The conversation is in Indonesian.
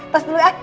tos dulu ya